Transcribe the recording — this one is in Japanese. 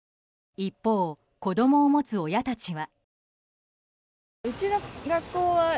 一方、子供を持つ親たちは。